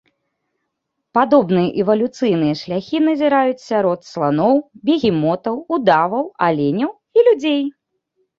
Падобныя эвалюцыйныя шляхі назіраюць сярод сланоў, бегемотаў, удаваў, аленяў і людзей.